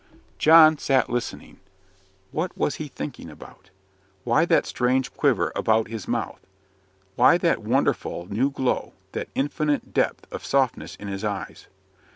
John sat listening. What was he thinking about? Why that strange quiver about his mouth? why that wonderful new glow, that infinite depth of softness in his eyes?